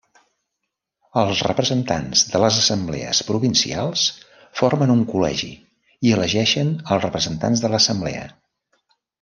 Els representants de les assemblees provincials formen un col·legi i elegeixen als representants de l'Assemblea.